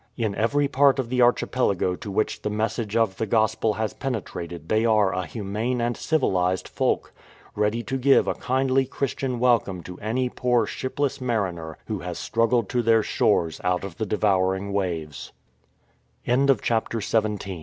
In every part of the archipelago to which the message of the Gospel has penetrated they are a humane and civil ized folk, ready to give a kindly Christian welcome to any poor shipless mariner who has struggled to their shores out of the devou